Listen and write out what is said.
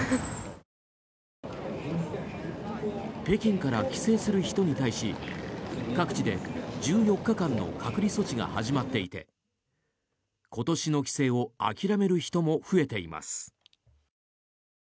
北京から帰省する人に対し各地で１４日間の隔離措置が始まっていて今年の帰省を諦める人も増えています。